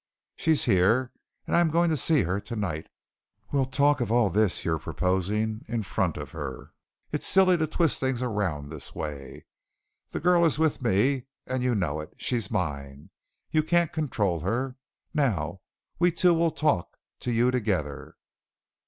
She's here, and I'm going to see her tonight. We'll talk of all this you're proposing in front of her. It's silly to twist things around this way. The girl is with me, and you know it. She's mine. You can't control her. Now we two will talk to you together."